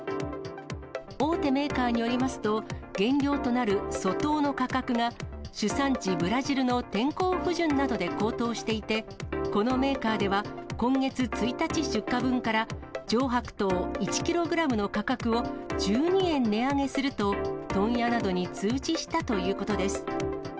大手メーカーによりますと、原料となる粗糖の価格が、主産地、ブラジルの天候不順などで高騰していて、このメーカーでは、今月１日出荷分から上白糖１キログラムの価格を１２円値上げすると、問屋などに通知したということです。